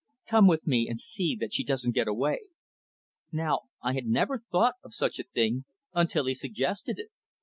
Come with me and see that she doesn't get away." Now I had never thought of such a thing until he suggested it.